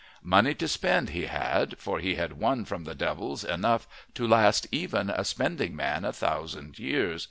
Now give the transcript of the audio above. Money to spend he had, for he had won from the devils enough to last even a spending man a thousand years.